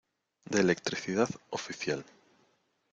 de electricidad, oficial.